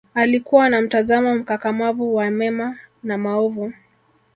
alikua na mtazamo mkakamavu wa mema na maovu